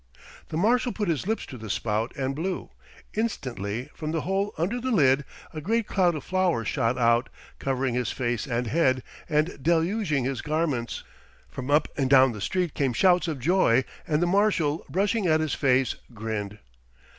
The Marshal put his lips to the spout and blew. Instantly, from the hole under the lid, a great cloud of flour shot out, covering his face and head, and deluging his garments. From up and down the street came shouts of joy, and the Marshal, brushing at his face, grinned.